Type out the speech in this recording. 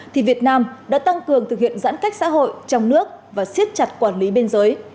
thì việt nam đã tăng cường thực hiện giãn cách xã hội trong nước và siết chặt quản lý biên giới